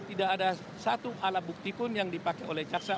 tidak ada satu alat bukti pun yang dipakai oleh caksa